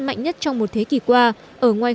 mạnh nhất trong một thế kỷ qua ở ngoài